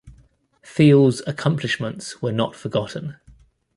Thiel's accomplishments were not forgotten.